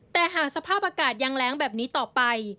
แต่หากสภาพอากาศยังแรงแบบนี้ต่อไป